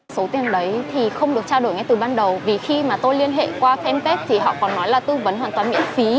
số tiền đấy thì không được trao đổi ngay từ ban đầu vì khi mà tôi liên hệ qua fanpage thì họ còn nói là tư vấn hoàn toàn miễn phí